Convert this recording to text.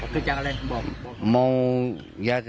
เกิดจากอะไร